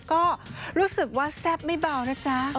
ก็รู้สึกว่าแซ่บไม่เบานะจ๊ะ